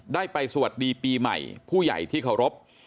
ได้ไปสวัสดีปีใหม่ผู้ใหญ่ที่เคารพ